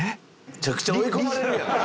めちゃくちゃ追い込まれるやん。